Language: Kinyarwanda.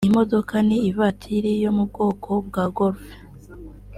Iyi modoka ni ivatiri yo mu bwoko bwa Golfe